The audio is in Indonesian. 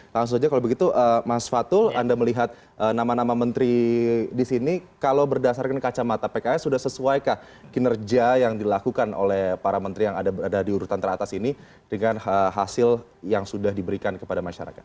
langsung saja kalau begitu mas fatul anda melihat nama nama menteri di sini kalau berdasarkan kacamata pks sudah sesuaikah kinerja yang dilakukan oleh para menteri yang ada di urutan teratas ini dengan hasil yang sudah diberikan kepada masyarakat